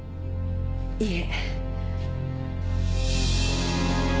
いえ。